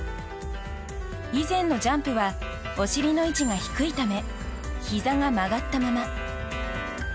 以前のジャンプはお尻の位置が低いためひざが曲がったまま。